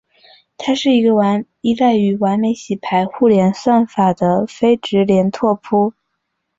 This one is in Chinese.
它是一个依赖于完美洗牌互联算法的非直连拓扑。